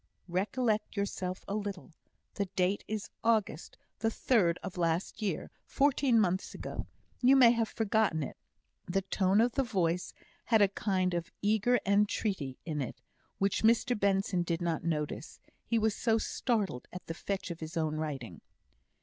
"Recollect yourself a little. The date is August the third of last year, fourteen months ago. You may have forgotten it." The tone of the voice had a kind of eager entreaty in it, which Mr Benson did not notice, he was so startled at the fetch of his own writing.